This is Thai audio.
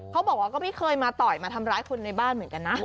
เขาบอกว่าก็ไม่เคยมาต่อยมาทำร้ายคนในบ้านเหมือนกันนะ